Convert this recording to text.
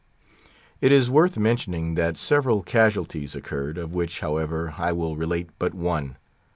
It is worth mentioning that several casualties occurred, of which, however, I will relate but one.